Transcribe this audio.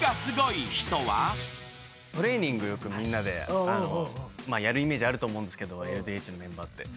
トレーニングよくみんなでやるイメージあると思うんですけどＬＤＨのメンバーって。